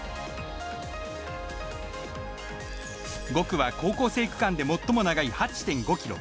５区は、高校生区間で最も長い８．５ｋｍ。